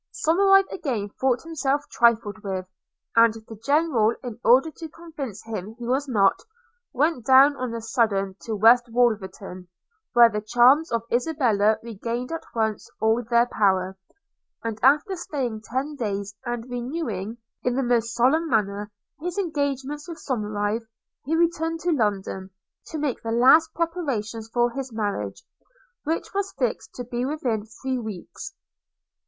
Somerive again thought himself trifled with; and the General, in order to convince him he was not, went down on a sudden to West Wolverton, where the charms of Isabella regained at once all their power; and after staying ten days, and renewing, in the most solemn manner, his engagements with Somerive, he returned to London, to make the last preparations for his marriage, which was fixed to be within three weeks.